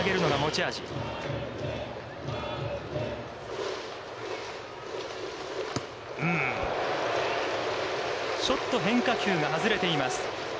ちょっと変化球が外れています。